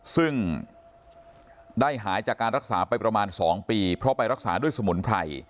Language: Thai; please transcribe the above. ซึ่งได้หายจากการรักษาไปประมาณ๒ปีเพราะไปรักษาด้วยสมุนไพร